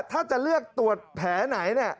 ถ้าจะเลือกตรวจแผลไหน